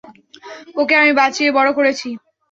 ওকে আমি বাঁচিয়ে বড় করেছি।